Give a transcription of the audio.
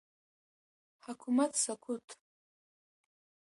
حکومت سقوط